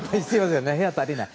部屋足りない。